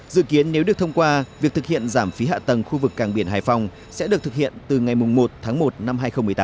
dự kiến nếu được thông qua việc thực hiện giảm phí hạ tầng khu vực càng biển hải phòng sẽ được thực hiện từ ngày một tháng một năm hai nghìn một mươi tám